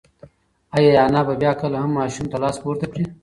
ایا انا به بیا کله هم ماشوم ته لاس پورته کړي؟